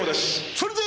それで！